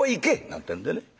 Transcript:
なんてんでね。